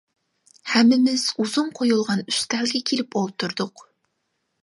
ھەممىمىز ئۇزۇن قويۇلغان ئۈستەلگە كېلىپ ئولتۇردۇق.